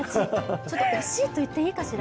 ちょっと惜しいと言っていいかしら。